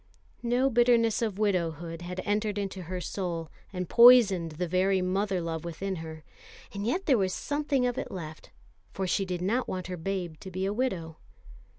The bitterness of widowhood had entered into her soul, and poisoned the very mother love within her; and yet there was something of it left, for she did not want her babe to be a widow.